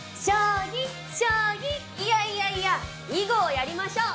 いやいやいや囲碁をやりましょう！